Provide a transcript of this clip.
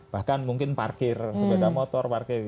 bahkan mungkin parkir sepeda motor parkir